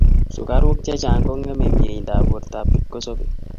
Sukaruk chechang kongemei mieindap bortap kipkosobei